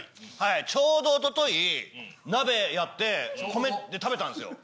ちょうどおととい、鍋やって、米食べたんですよ。